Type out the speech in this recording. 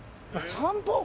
散歩？